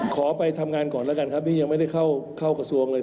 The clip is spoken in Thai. ขอไปทำงานก่อนแล้วกันครับนี่ยังไม่ได้เข้ากระทรวงเลย